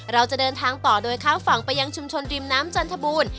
เราจะเดินทางต่อโดยข้ามฝั่งไปยังชุมชนริมน้ำจันทบูรณ์